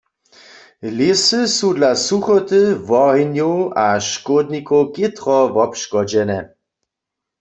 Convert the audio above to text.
Lěsy su dla suchoty, wohenjow a škódnikow chětro wobškodźene.